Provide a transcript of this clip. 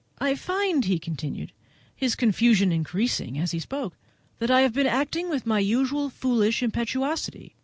"I find," he continued, his confusion increasing as he spoke, "that I have been acting with my usual foolish impetuosity.